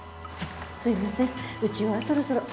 すいませんうちはそろそろ。